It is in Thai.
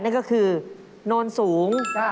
นี่ก็คือโนลสูง